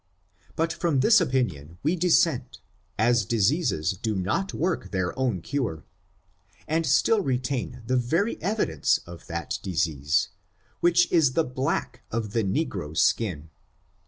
But from this opinion we dissent, as diseases do not work their own cure, and still retain the very ev idence of that disease, which is the black of the negro's skin.